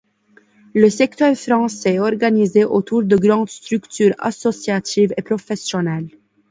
Le secteur français est organisé autour de grandes structures associatives et professionnelles.